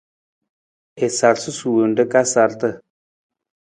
A sar susuur nra ka sarata.